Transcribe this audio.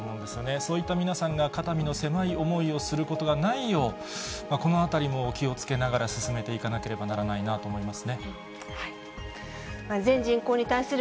そういった皆さんが肩身の狭い思いをすることがないよう、このあたりも気をつけながら進めていかなければならないなと思いますね。